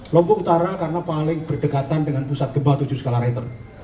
lombok utara karena paling berdekatan dengan pusat gempa tujuh skala meter